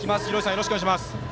よろしくお願いします。